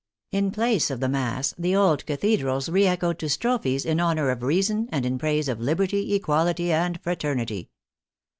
In place of the Mass the old cathedrals re echoed to strophes in honor of Reason and in praise of " Liberty, Equality, and Fraternity."